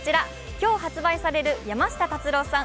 今日発売される、山下達郎さん